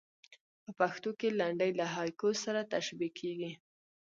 په پښتو کښي لنډۍ له هایکو سره تشبیه کېږي.